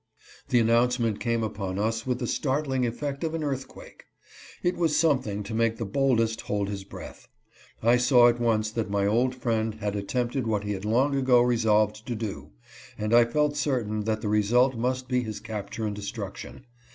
The announcement came upon us with the startling effect of an earthquake. It was something to make the boldest hold his breath. I saw at once that my old friend had attempted what he had long ago resolved to do, and I felt certain that the result must be his capture and destruction.